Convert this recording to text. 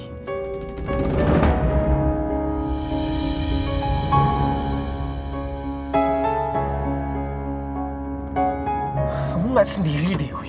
kamu gak sendiri dewi